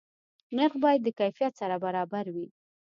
نرخ باید د کیفیت سره برابر وي.